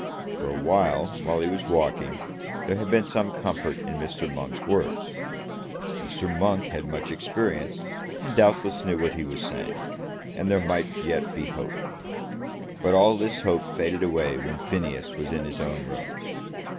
For a while, while he was walking, there had been some comfort in Mr. Monk's words. Mr. Monk had much experience, and doubtless knew what he was saying, and there might yet be hope. But all this hope faded away when Phineas was in his own rooms.